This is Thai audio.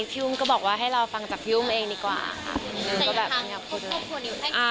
พี่อุ้มก็บอกว่าให้เราฟังจากพี่อุ้มเองดีกว่าค่ะ